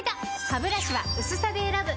ハブラシは薄さで選ぶ！